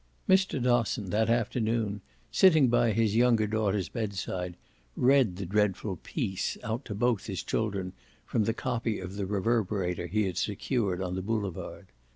Mr. Dosson that afternoon, sitting by his younger daughter's bedside, read the dreadful "piece" out to both his children from the copy of the Reverberator he had secured on the boulevard.